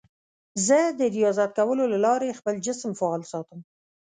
زه د ریاضت کولو له لارې خپل جسم فعال ساتم.